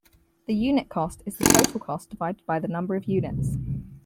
The unit cost is the total cost divided by the number of units.